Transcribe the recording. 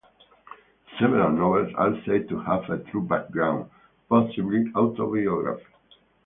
Several novels are said to have a true background, possibly autobiographic.